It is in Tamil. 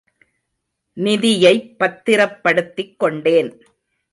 நிதியைப் பத்திரப்படுத்திக் கொண்டேன்.